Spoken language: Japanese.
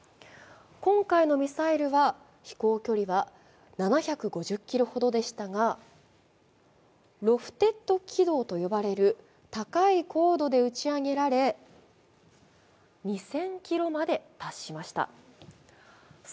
今回のミサイルは、飛行距離は７５０ｋｍほどでしたが、ロフテッド軌道と呼ばれる高い高度で打ち上げられ２０００ｋｍまで達しました。